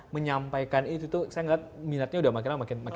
menyampaikan itu saya melihat minatnya sudah makin makin naik